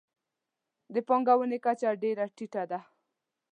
د پانګونې کچه ډېره ټیټه ده.